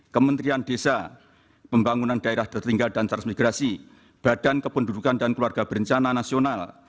kementerian desa pembangunan daerah tertinggal dan transmigrasi badan kependudukan dan keluarga berencana nasional